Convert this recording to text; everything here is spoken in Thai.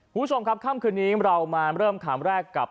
คุณผู้ชมครับค่ำคืนนี้เรามาเริ่มคำแรกกับ